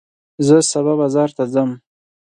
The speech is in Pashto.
زه سبا بازار ته ځم.